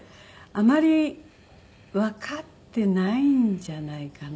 あまりわかってないんじゃないかなって思います。